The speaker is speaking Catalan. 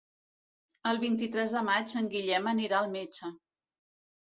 El vint-i-tres de maig en Guillem anirà al metge.